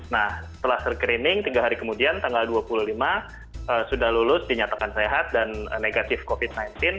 nah setelah screening tiga hari kemudian tanggal dua puluh lima sudah lulus dinyatakan sehat dan negatif covid sembilan belas